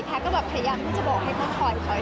แท็กก็แบบพยายามที่จะบอกให้เขาถอย